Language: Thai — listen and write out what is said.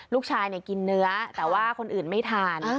ลูกชายกินเนื้อแต่ว่าคนอื่นไม่ทาน